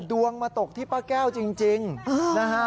ดวงมาตกที่ป้าแก้วจริงนะฮะ